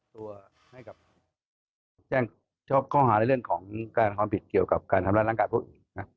ซึ่งเราได้ส่งตัวให้กับแจ้งข้อหาเรื่องของการความผิดเกี่ยวกับการทำร้านรังการพวกอีก